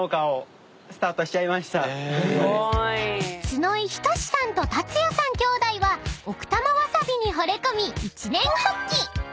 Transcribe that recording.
［角井仁さんと竜也さん兄弟は奥多摩わさびにほれ込み一念発起］